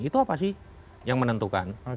itu apa sih yang menentukan